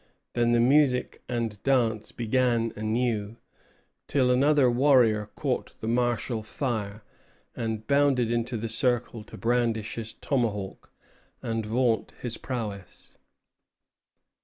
Then the music and the dance began anew, till another warrior caught the martial fire, and bounded into the circle to brandish his tomahawk and vaunt his prowess.